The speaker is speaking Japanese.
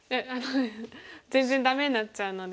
全然ダメになっちゃうので。